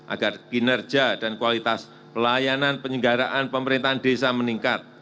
agar kinerja dan kualitas pelayanan penyelenggaraan pemerintahan desa meningkat